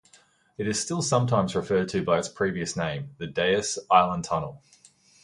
It is still sometimes referred to by its previous name, the Deas Island Tunnel.